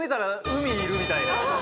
海いるみたいな」